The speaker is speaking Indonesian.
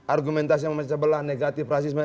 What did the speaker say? argumentasi yang memecah belah negatif rasisme